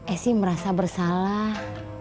esi merasa bersalah